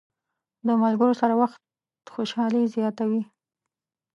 د ملګرو سره وخت خوشحالي زیاته وي.